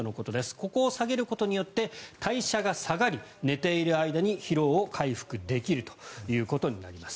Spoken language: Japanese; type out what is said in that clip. ここを下げることによって代謝が下がり寝ている間に疲労回復できるということです。